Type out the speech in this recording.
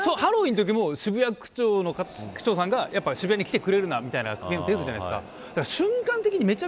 ハロウィーンのときも渋谷区長さんが渋谷に来てくれるのみたいなの言っていたじゃないですか。